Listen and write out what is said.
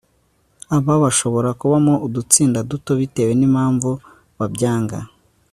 aba bashobora kubamo udutsinda duto bitewe n'impamvu babyanga